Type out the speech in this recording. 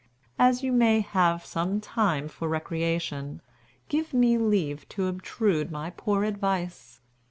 As you may have some time for recreation, give me leave to obtrude my poor advice.